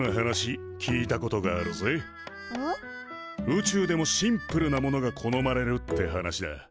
宇宙でもシンプルなものが好まれるって話だ。